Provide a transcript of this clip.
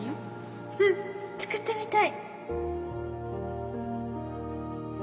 うん作ってみたい！